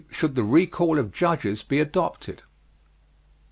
Should the Recall of Judges be adopted?